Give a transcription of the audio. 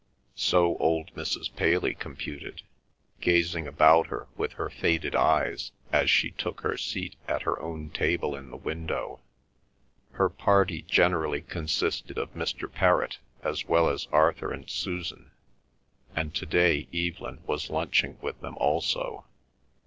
So old Mrs. Paley computed, gazing about her with her faded eyes, as she took her seat at her own table in the window. Her party generally consisted of Mr. Perrott as well as Arthur and Susan, and to day Evelyn was lunching with them also.